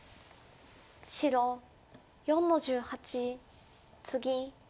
白４の十八ツギ。